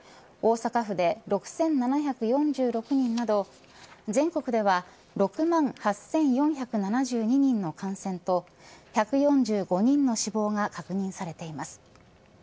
大阪府で６７４６人など全国では６万８４７２人の感染と１４５人の死亡が確認されています。